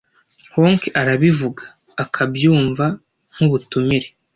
honk arabivuga, akabyumva nkubutumire,